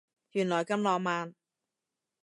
原來咁浪漫